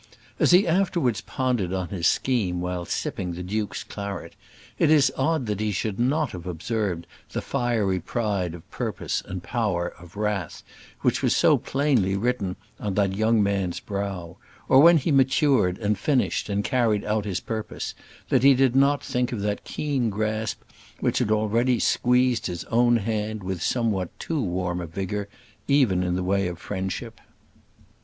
As he afterwards pondered on his scheme while sipping the duke's claret, it is odd that he should not have observed the fiery pride of purpose and power of wrath which was so plainly written on that young man's brow: or, when he matured, and finished, and carried out his purpose, that he did not think of that keen grasp which had already squeezed his own hand with somewhat too warm a vigour, even in the way of friendship.